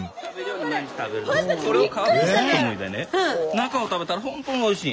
中を食べたらほんとにおいしい。